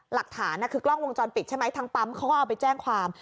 หลักฐานคือกล้องวงจรปิดใช่ไหมทางปั๊มเขาก็เอาไปแจ้งความ